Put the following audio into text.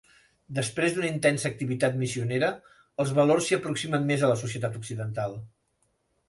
Després d'una intensa activitat missionera, els valors s'hi aproximen més a la societat occidental.